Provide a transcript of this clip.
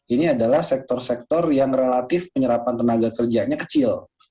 ini adalah sektor sektor yang relatif penyerapan tenaga kerjanya kecil